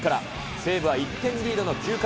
西武は１点リードの９回。